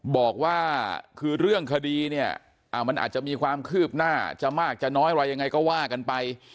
บอกว่าคือเรื่องคดีเนี่ยมันอาจจะมีความคืบหน้าจะมากจะน้อยอะไรยังไงก็ว่ากันไป